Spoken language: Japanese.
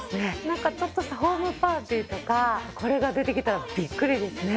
なんかちょっとしたホームパーティーとかこれが出てきたらびっくりですね。